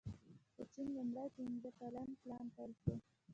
د چین لومړی پنځه کلن پلان پیل شو.